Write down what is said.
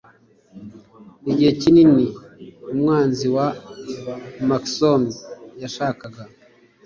Igihe kinini umwanzi wa manxome yashakaga